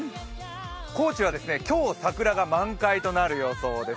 高知は今日、桜が満開となる予想です。